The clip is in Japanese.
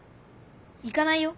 行かないよ。